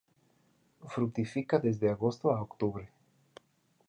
Fructifica desde agosto a octubre.